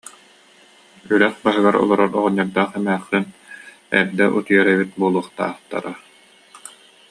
Үрэх баһыгар олорор оҕонньордоох эмээхсин эрдэ утуйар эбит буолуохтаахтара